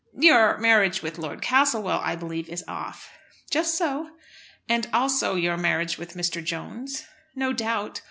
"Your marriage with Lord Castlewell, I believe, is off." "Just so." "And also your marriage with Mr. Jones?" "No doubt.